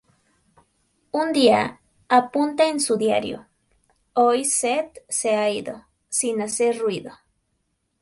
Un día, apunta en su diario: "Hoy Seth se ha ido, sin hacer ruido.